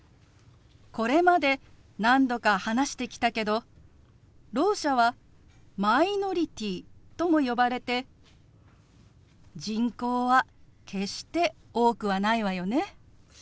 これまで何度か話してきたけどろう者はマイノリティーとも呼ばれて人口は決して多くはないわよね。